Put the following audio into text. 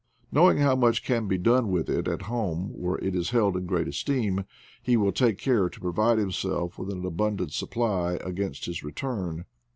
Knowing how much can be done with it at home where it is held in great esteem, he will take care to provide himself with an abundant sup ply against his return.